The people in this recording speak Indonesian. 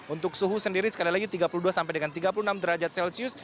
untuk suhu sendiri sekali lagi tiga puluh dua sampai dengan tiga puluh enam derajat celcius